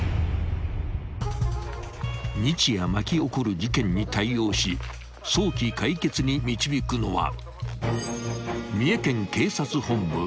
［日夜巻き起こる事件に対応し早期解決に導くのは］